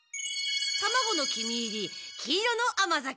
たまごの黄身入り黄色の甘酒。